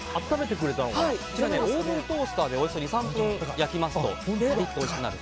オーブントースターで２３分焼きますとおいしくなる。